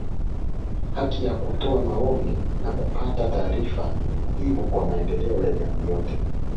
haki ya kutoa maoni na kupata taarifa ni muhimu kwa maendeleo ya jamii yeyote